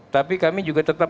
tapi kami juga tetap